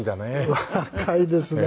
若いですね。